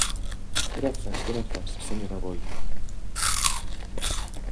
Grazas, grazas, señor Aboi.